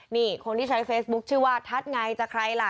นี่คนที่ใช้เฟซบุ๊คชื่อว่าทัศน์ไงจะใครล่ะ